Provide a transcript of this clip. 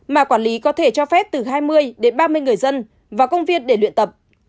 mà quản lý có thể cho phép từ hai mươi đến ba mươi người dân vào công viên để luyện tập